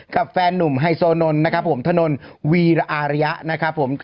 แฟนนุ่มไฮโซนนท์นะครับผมถนนวีระอารยะนะครับผม